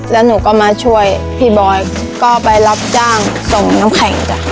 แล้วหนูก็มาช่วยพี่บอยก็ไปรับจ้างส่งน้ำแข็งจ้ะ